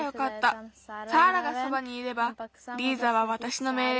サーラがそばにいればリーザはわたしのめいれいもきくとおもうから。